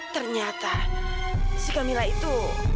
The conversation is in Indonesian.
ternyata si kak mila itu